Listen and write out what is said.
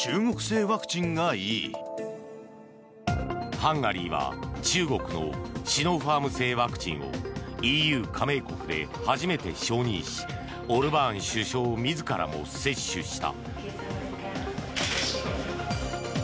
ハンガリーは中国のシノファーム製ワクチンをＥＵ加盟国で初めて承認しオルバーン首相自らも接種した。